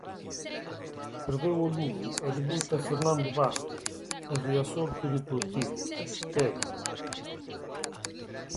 Perdeu o Lugo e debuta Fernando Vázquez en Riazor co Deportivo, Terio.